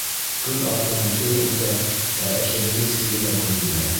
Көн артынан көн үтә, ә эшебеҙҙең сиге лә күренмәй.